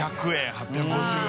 ８５０円。